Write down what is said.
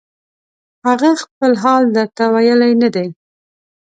هغه خپل حال درته ویلی نه دی